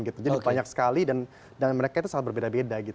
jadi banyak sekali dan mereka itu sangat berbeda beda